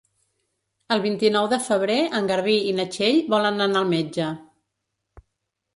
El vint-i-nou de febrer en Garbí i na Txell volen anar al metge.